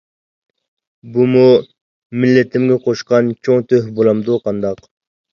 بۇمۇ مىللىتىمگە قوشقان چوڭ تۆھپە بولامدۇ قانداق؟ !